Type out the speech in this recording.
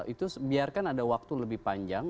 itu biarkan ada waktu lebih panjang